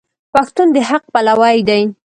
پښتون د حق پلوی دی.